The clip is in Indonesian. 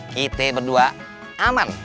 kita berdua aman